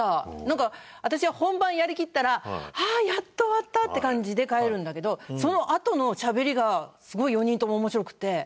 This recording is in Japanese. なんか私は本番やりきったらああーやっと終わったって感じで帰るんだけどそのあとのしゃべりがすごい４人とも面白くて。